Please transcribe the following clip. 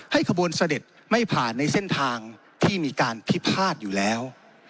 ขบวนเสด็จไม่ผ่านในเส้นทางที่มีการพิพาทอยู่แล้ว